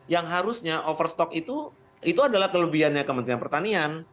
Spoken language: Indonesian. yang harusnya overstock itu adalah kelebihannya kementerian pertanian